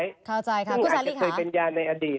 ใส่โดนศาลีเข้าจ่ายจะคือเลยเป็นยาในอดีต